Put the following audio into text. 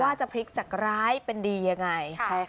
ว่าจะพลิกจากร้ายเป็นดียังไงใช่ค่ะ